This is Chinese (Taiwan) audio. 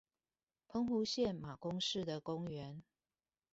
澎湖縣馬公市的公園